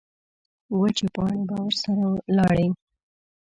وچې پاڼې به ورسره لاړې.